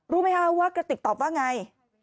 รู้ไหมคะว่ากระติกตอบว่าไง